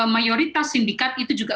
mayoritas sindikat itu juga